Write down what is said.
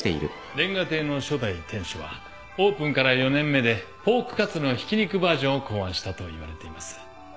煉瓦亭の初代店主はオープンから４年目でポークカツのひき肉バージョンを考案したといわれています。